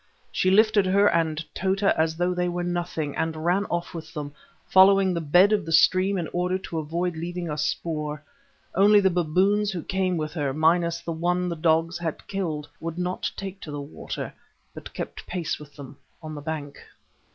She lifted her and Tota as though they were nothing, and ran off with them, following the bed of the stream in order to avoid leaving a spoor. Only the baboons who came with her, minus the one the dogs had killed, would not take to the water, but kept pace with them on the bank.